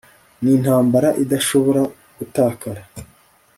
ni intambara idashobora gutakara